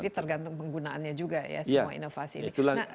jadi tergantung penggunaannya juga ya semua inovasi ini